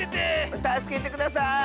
たすけてください！